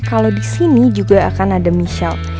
kalo disini juga akan ada michelle